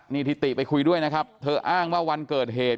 นี่ทิติไปคุยด้วยนะครับเธออ้างว่าวันเกิดเหตุ